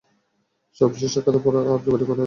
সর্বশেষ সাক্ষাতের পর আর যোগাযোগ করোনি।